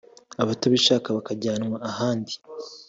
abatabishaka bakajyanwa ahandi